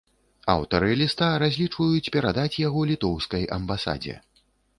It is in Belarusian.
Аўтары ліста разлічваюць перадаць яго літоўскай амбасадзе.